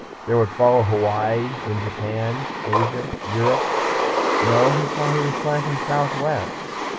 There would follow Hawaii, then Japan, Asia, Europe.... No, he saw he was slanting southwest.